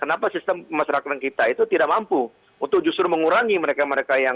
kenapa sistem masyarakat kita itu tidak mampu untuk justru mengurangi mereka mereka yang